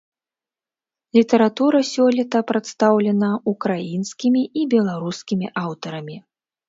Літаратура сёлета прадстаўлена украінскімі і беларускімі аўтарамі.